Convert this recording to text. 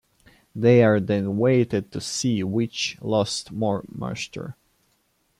They are then weighed to see which lost more moisture.